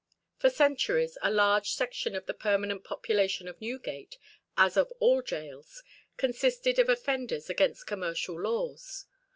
For centuries a large section of the permanent population of Newgate, as of all gaols, consisted of offenders against commercial laws.